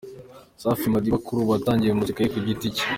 Safi Madiba kuri ubu watangiye muzika ye ku giti cye.